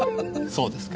そうですか。